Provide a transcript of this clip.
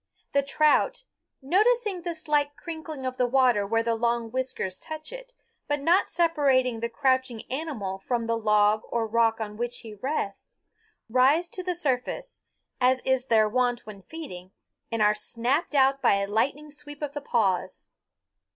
The trout, noticing the slight crinkling of the water where the long whiskers touch it, but not separating the crouching animal from the log or rock on which he rests, rise to the surface, as is their wont when feeding, and are snapped out by a lightning sweep of the paws.